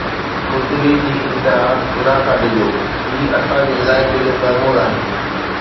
بزدلي جي انتها، خدا کان ڊڄو، هي اسان جي علائقي جو معمول آهي